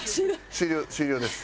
終了終了です。